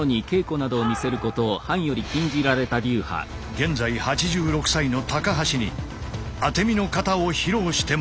現在８６歳の高橋に当身の型を披露してもらう。